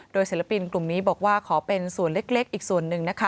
ศิลปินกลุ่มนี้บอกว่าขอเป็นส่วนเล็กอีกส่วนหนึ่งนะคะ